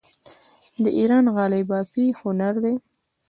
د ایران غالۍ بافي هنر دی.